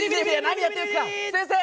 何やってんですか先生！